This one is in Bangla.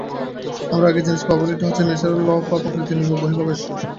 আমরা আগেই জেনেছি প্রবাবিলিটি হচ্ছে ন্যাচারাল ল বা প্রাকৃতিক নিয়মের বহিঃপ্রকাশ।